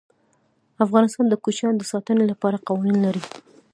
افغانستان د کوچیان د ساتنې لپاره قوانین لري.